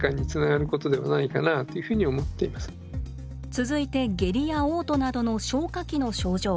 続いて下痢やおう吐などの消化器の症状。